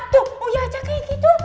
tuh uya aja kayak gitu